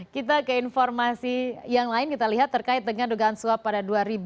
kita ke informasi yang lain kita lihat terkait dengan dugaan suap pada dua ribu dua